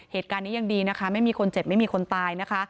เหตุการณ์นี้ยังดีนะคะไม่มีคนเจ็บไม่มีคนตายนะคะ